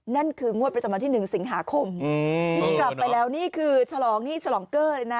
นั่นคืองวดประจำวันที่๑สิงหาคมกินกลับไปแล้วนี่คือฉลองนี่ฉลองเกอร์เลยนะ